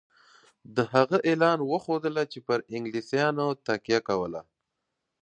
د هغه اعلان وښودله چې پر انګلیسیانو تکیه کوله.